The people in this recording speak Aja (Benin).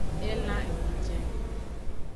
Elan ehunjen.